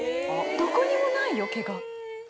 どこにもないよ毛が。